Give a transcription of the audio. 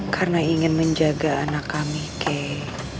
karena ingin menjaga anak kami kay